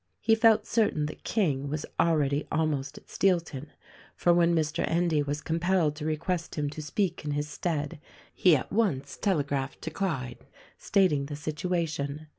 He felt certain that King was already almost at Steel ton ; for when Mr. Endy was compelled to request him to speak in his stead he at once telegraphed to Clyde, stating the situation.